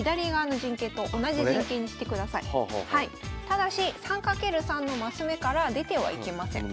ただし３掛ける３の升目から出てはいけません。